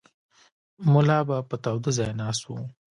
ملا به په تاوده ځای ناست و.